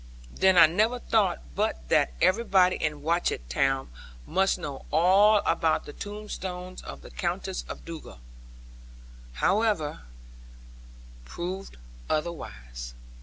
then I never thought but that everybody in Watchett town must know all about the tombstone of the Countess of Dugal. This, however, proved otherwise.